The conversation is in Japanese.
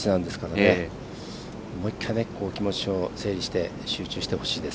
もう１回、気持ちを整理して集中してほしいです。